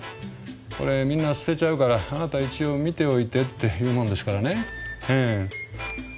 これみんな捨てちゃうからあなた一応見ておいてって言うもんですからねええ。